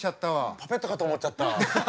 パペットかと思っちゃった。